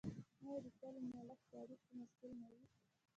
آیا د کلي ملک د اړیکو مسوول نه وي؟